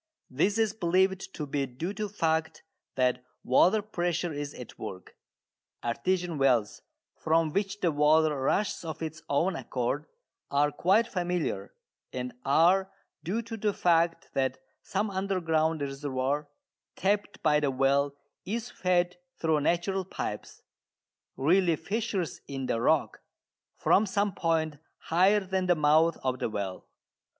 This is believed to be due to the fact that water pressure is at work. Artesian wells, from which the water rushes of its own accord, are quite familiar, and are due to the fact that some underground reservoir tapped by the well is fed through natural pipes, really fissures in the rock, from some point higher than the mouth of the well.